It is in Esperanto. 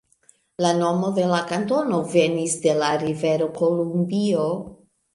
La nomo de la kantono venis de la rivero Kolumbio.